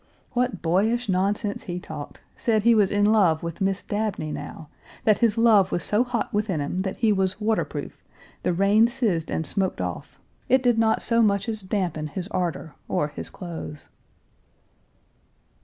What boyish nonsense he talked; said he was in love with Miss Dabney now, that his love was so hot within him that he was waterproof, the rain sizzed and smoked off. It did not so much as dampen his ardor or his clothes.